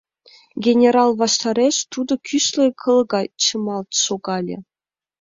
Генерал ваштареш тудо кӱсле кыл гай чымалт шогале.